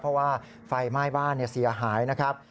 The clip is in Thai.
เพราะว่าไฟไหม้บ้านเสียหายนะครับ